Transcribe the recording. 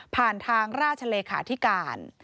ผ่านทางราชเลขาธิการ